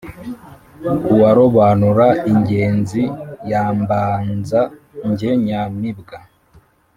Uwarobanura ingenzi yambanza jye nyamibwa